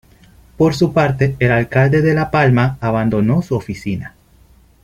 Por su parte el Alcalde de La Palma abandonó su oficina.